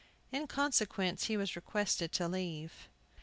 In consequence he was requested to leave.